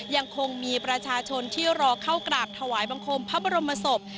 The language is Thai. ยังคงมีประชาชนที่รอเข้ากราบถวายบังคมพระบรมศพ